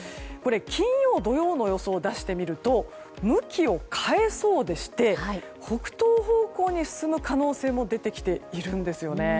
金曜日、土曜日の予想を出してみると向きを変えそうでして北東方向に進む可能性も出てきているんです。